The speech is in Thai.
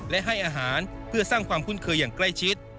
และให้อาหารเพื่อสร้างความคุ้นเคยอย่างใกล้ชิด